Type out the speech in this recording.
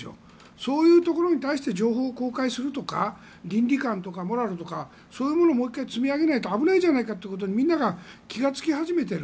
そういうところに対して情報を公開するとか倫理観とかモラルとかそういうものをもう１回積み上げないと危ないじゃないかとみんなが気がつき始めている。